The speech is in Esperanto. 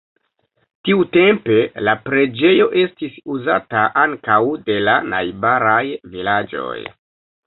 Tiutempe la preĝejo estis uzata ankaŭ de la najbaraj vilaĝoj.